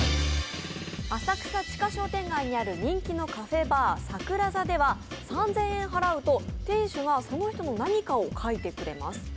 浅草地下商店街にある人気のカフェバー、さくら座では３０００円払うと店主がその人の何かを描いてくれます。